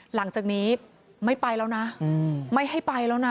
หลังจากนี้ไม่ไปแล้วนะไม่ให้ไปแล้วนะ